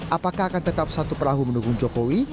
apakah akan tetap satu perahu menunggu jokowi